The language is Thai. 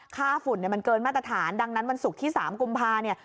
ค่าฝุ่นมันเกินมาตรฐานดังนั้นวันศุกร์ที่๓กุมภาคม